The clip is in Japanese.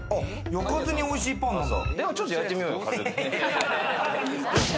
焼かずに美味しいパンなんだ。